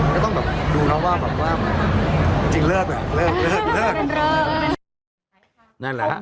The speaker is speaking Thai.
ก็ต้องดูเขาว่าจริงเลิกเลย